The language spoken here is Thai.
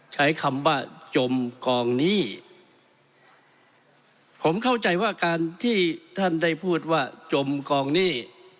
ใช้คำว่าจมกองหนี้ผมเข้าใจว่าการที่ท่านได้พูดว่าจมกองหนี้